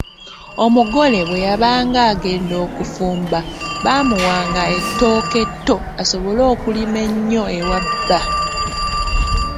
Omugole bwe yabanga aagenda okufumba bamuwanga ettooke etto asobole okulima ennyo ewa bba.